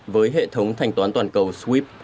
với hệ thống thanh toán toàn cầu